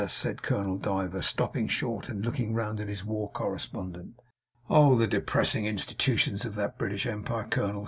said Colonel Diver, stopping short and looking round at his war correspondent. 'Oh! The depressing institutions of that British empire, colonel!